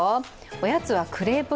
おやつはクレープ。